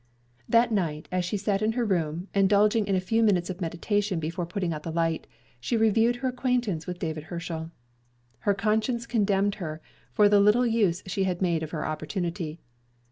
That night, as she sat in her room indulging in a few minutes of meditation before putting out the light, she reviewed her acquaintance with David Herschel. Her conscience condemned her for the little use she had made of her opportunity.